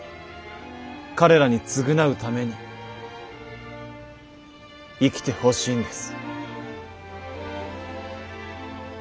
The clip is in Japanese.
彼らに償うために生きてほしいんです。